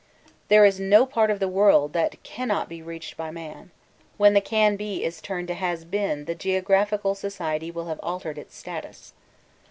There is no part of the world that can not be reached by man. When the 'can be' is turned to 'has been' the Geographical Society will have altered its status.